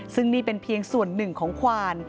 ซึ่งนี่เป็นเพียงส่วนหนึ่งของควาน